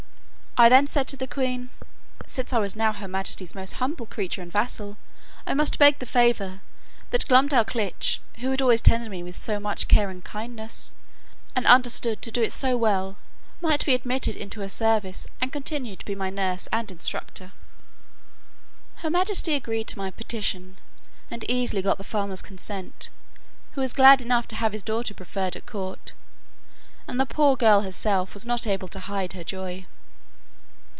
I then said to the queen, "since I was now her majesty's most humble creature and vassal, I must beg the favour, that Glumdalclitch, who had always tended me with so much care and kindness, and understood to do it so well, might be admitted into her service, and continue to be my nurse and instructor." Her majesty agreed to my petition, and easily got the farmer's consent, who was glad enough to have his daughter preferred at court, and the poor girl herself was not able to hide her joy.